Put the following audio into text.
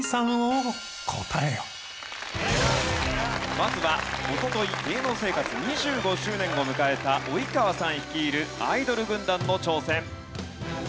まずはおととい芸能生活２５周年を迎えた及川さん率いるアイドル軍団の挑戦。